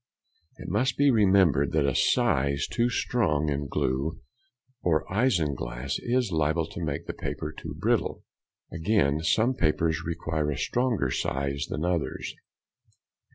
It must be remembered that a size too strong in glue or isinglass is liable to make the paper too brittle; again, some papers require a stronger size than others.